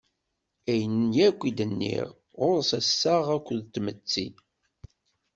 Ayen yakk i d-nniɣ, ɣur-s assaɣ akked tmetti.